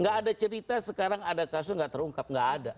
gak ada cerita sekarang ada kasus nggak terungkap nggak ada